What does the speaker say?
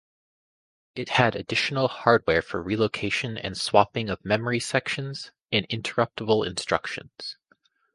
It had additional hardware for relocation and swapping of memory sections, and interruptible instructions.